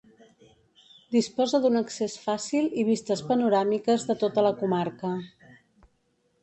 Disposa d'un accés fàcil i vistes panoràmiques de tota la comarca.